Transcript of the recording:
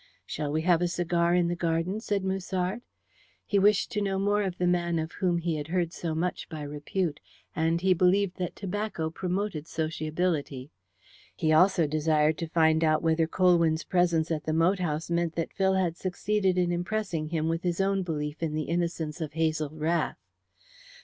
"Shall we have a cigar in the garden?" said Musard. He wished to know more of the man of whom he had heard so much by repute, and he believed that tobacco promoted sociability. He also desired to find out whether Colwyn's presence at the moat house meant that Phil had succeeded in impressing him with his own belief in the innocence of Hazel Rath.